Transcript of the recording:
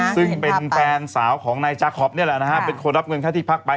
ซึ่งเป็นแฟนสาวของนายจักรคอบเป็นคนรับเงินแค่ที่พักไป